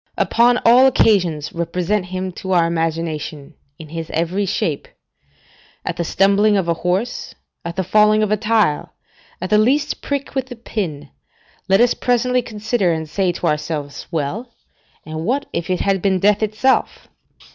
Upon all occasions represent him to our imagination in his every shape; at the stumbling of a horse, at the falling of a tile, at the least prick with a pin, let us presently consider, and say to ourselves, "Well, and what if it had been death itself?"